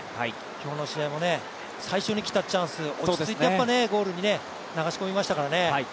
今日の試合も最初に来たチャンス落ち着いてゴールに流し込みましたからね。